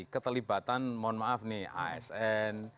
keterlibatan mohon maaf nih asn